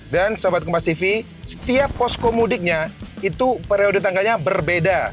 dan sobat kompastv setiap posko mudiknya itu periode tanggalnya berbeda